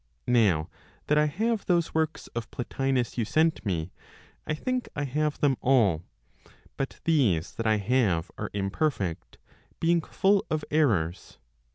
Now that I have those works of Plotinos you sent me, I think I have them all; but these that I have are imperfect, being full of errors.